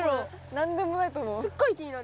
なんでもないと思う。